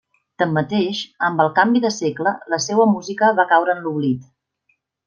Tanmateix, amb el canvi de segle, la seua música va caure en l'oblit.